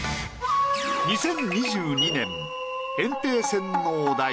２０２２年。